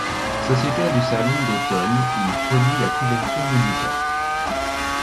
Sociétaire du Salon d'automne, il produit la couverture du livret.